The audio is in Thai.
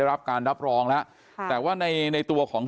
ก็คือเป็นการสร้างภูมิต้านทานหมู่ทั่วโลกด้วยค่ะ